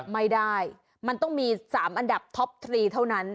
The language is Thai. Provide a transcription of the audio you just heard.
ไม่ได้มันต้องมี๓อันดับท็อปทรีเท่านั้น